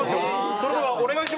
それではお願いします！